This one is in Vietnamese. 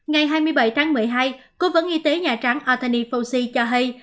ngày hai mươi bảy tháng một mươi hai cố vấn y tế nhà trắng anthony fauci cho hay